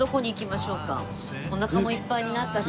おなかもいっぱいになったし。